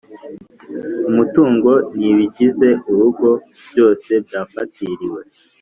umutungo nibigize urugo byose byafatiriwe